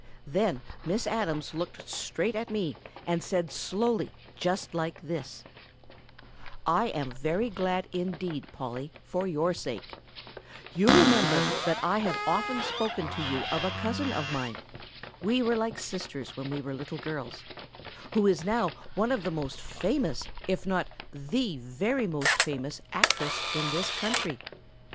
Then Miss Adams looked straight at me and said slowly just like this: 'I am very glad indeed, Polly, for your sake, You remember that I have often spoken to you of a cousin of mine (we were like sisters when we were little girls) who is now one of the most famous, if not the very most famous, actress in this country.